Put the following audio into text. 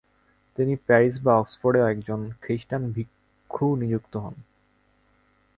তিনি প্যারিস বা অক্সফোর্ডে একজন খ্রীষ্টান ভিক্ষু নিজুক্ত হন।